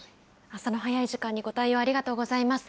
朝の早い時間にご対応ありがとうございます。